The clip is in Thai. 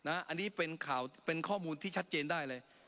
อันนี้เป็นข่าวเป็นข้อมูลที่ชัดเจนได้เลย